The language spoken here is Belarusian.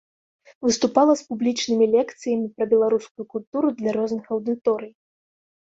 Выступала з публічнымі лекцыямі пра беларускую культуру для розных аўдыторый.